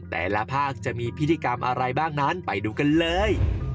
แต่ละภาคจะมีพิธีกรรมอะไรบ้างนั้นไปดูกันเลย